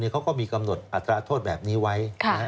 เขาก็มีกำหนดอัตราโทษแบบนี้ไว้